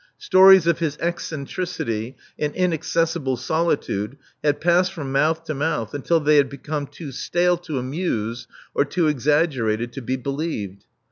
Stories of his eccentricity and inaccessible solitude had passed from mouth to mouth until they had become too stale to amuse or too exaggerated to be believed.